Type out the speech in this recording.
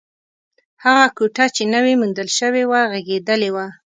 هغه کوټه چې نوې موندل شوې وه، غږېدلې وه.